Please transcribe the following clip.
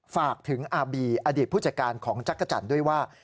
ฝากถึงอาบีอดีตผู้จัดการของจักรจันทร์ด้วยว่า